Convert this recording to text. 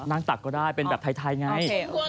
ตักก็ได้เป็นแบบไทยไง